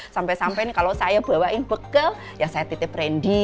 sampai sampai nih kalau saya bawain bekel yang saya titip randy